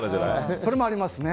それもありますね。